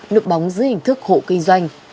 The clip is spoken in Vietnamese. lực bóng dưới hình thức hộ kinh doanh